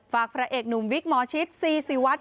ฝากพระเอกหนุ่มวิทย์หมอชิตซีศิวัตร